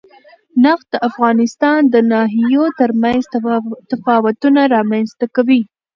نفت د افغانستان د ناحیو ترمنځ تفاوتونه رامنځ ته کوي.